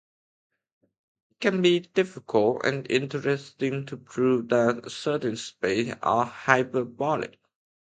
It can be difficult and interesting to prove that certain spaces are hyperbolic.